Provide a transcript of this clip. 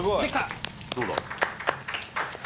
どうだ？